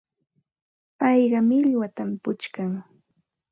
Payqa millwatam puchkan.